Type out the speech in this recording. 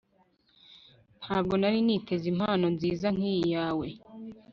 ntabwo nari niteze impano nziza nkiyi yawe